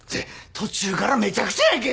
途中からめちゃくちゃやんけ！